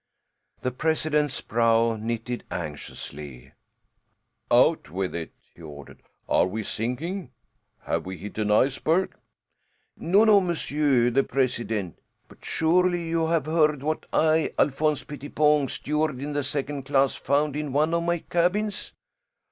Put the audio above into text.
The president's brow knitted anxiously. "Out with it," he ordered. "Are we sinking? Have we hit an iceberg?" "No, no, monsieur the president! But surely you have heard what I, Alphonse Pettipon, steward in the second class, found in one of my cabins?"